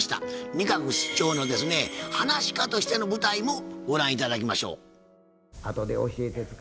仁鶴室長のはなし家としての舞台もご覧頂きましょう。